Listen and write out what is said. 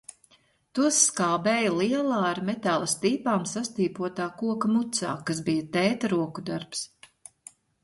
Tos skābēja lielā, ar metāla stīpām sastīpotā koka mucā, kas bija tēta roku darbs.